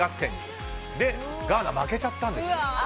で、ガーナは負けちゃったんです。